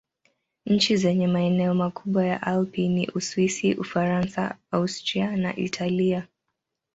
Nchi zenye maeneo makubwa ya Alpi ni Uswisi, Ufaransa, Austria na Italia.